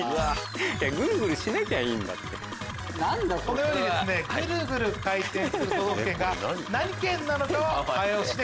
このようにグルグル回転する都道府県が何県なのかを早押しで。